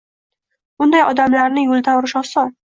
Unday odamlarni yo‘ldan urish oson.